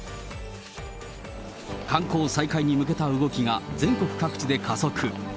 観光再開に向けた動きが全国各地で加速。